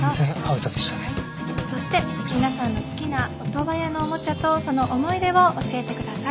そして皆さんの好きなオトワヤのおもちゃとその思い出を教えて下さい。